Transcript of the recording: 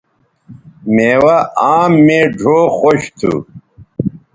میوہ آم مے ڙھؤ خوش تھو